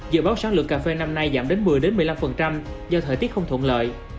dự báo sản lượng cà phê năm nay giảm đến một mươi một mươi năm do thời tiết không thuận lợi